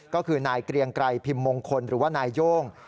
ก็คือนายเกรียงไกรพิมพ์มงคลหรือว่านายโย่ง